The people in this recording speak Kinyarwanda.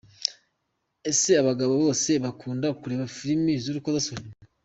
Ese abagabo bose bakunda kureba filime z’urukozasoni?